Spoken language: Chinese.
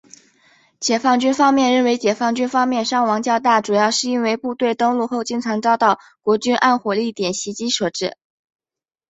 解放军方面认为解放军方面伤亡较大主要是部队登陆后经常遭到国军暗火力点袭击所致。